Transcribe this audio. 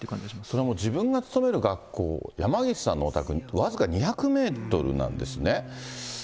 それも自分の勤める学校、山岸さんのお宅に僅か２００メートルなんですね。